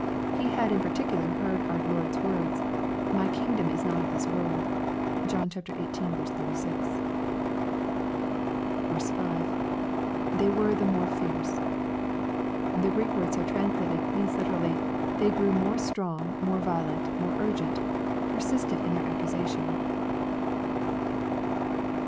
He had in particular heard our Lord's words, " My kingdom is not of tliis world." (John xviii. 36.) 6. — [Uiey were the more fierce.] The Greek word so translated, means literally, " they grew more strong, more violent, more urgent, — persisted in their accusation."